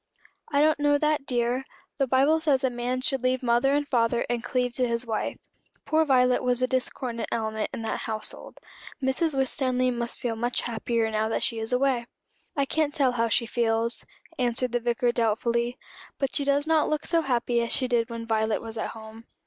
"I don't know that, dear. The Bible says a man should leave mother and father and cleave to his wife. Poor Violet was a discordant element in that household. Mrs. Winstanley must feel much happier now she is away." "I can't tell how she feels," answered the Vicar doubtfully; "but she does not look so happy as she did when Violet was at home."